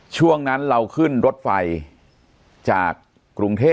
ช่วงนั้นเราขึ้นรถไฟจากกรุงเทพ